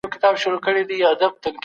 د ژوند حق د قرآن یو مهم اصل دی.